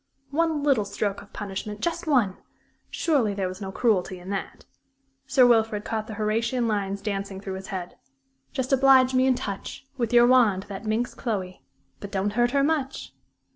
One little stroke of punishment just one! Surely there was no cruelty in that. Sir Wilfrid caught the Horatian lines dancing through his head: "Just oblige me and touch With your wand that minx Chloe But don't hurt her much!"